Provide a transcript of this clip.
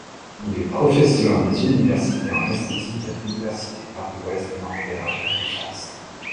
Il est professeur des universités en esthétique à l'Université Paris Ouest-Nanterre La Défense.